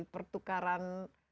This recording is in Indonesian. pertukarannya itu apa